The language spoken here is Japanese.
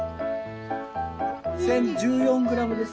１０１４グラムです。